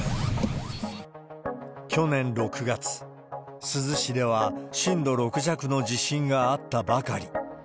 去年６月、珠洲市では震度６弱の地震があったばかり。